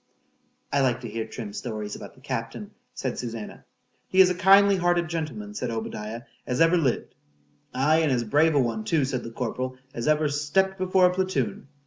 I like to hear Trim's stories about the captain, said Susannah.—He is a kindly hearted gentleman, said Obadiah, as ever lived.—Aye, and as brave a one too, said the corporal, as ever stept before a platoon.